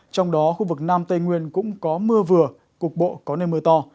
trong đó khu vực nam tây nguyên cũng có mưa vừa cục bộ có nơi mưa to